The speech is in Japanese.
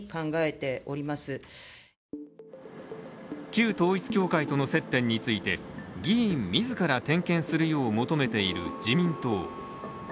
旧統一教会との接点について議員自ら点検するよう求めている自民党。